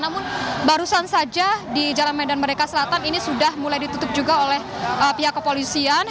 namun barusan saja di jalan medan merdeka selatan ini sudah mulai ditutup juga oleh pihak kepolisian